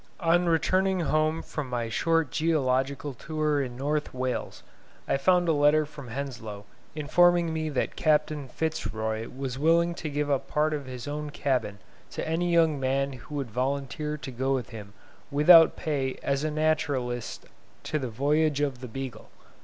On returning home from my short geological tour in North Wales, I found a letter from Henslow, informing me that Captain Fitz Roy was willing to give up part of his own cabin to any young man who would volunteer to go with him without pay as naturalist to the Voyage of the "Beagle".